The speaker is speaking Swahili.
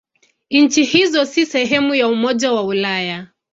Nchi hizo si sehemu za Umoja wa Ulaya.